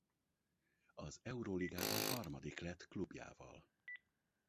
Az Euroligában harmadik lett klubjával.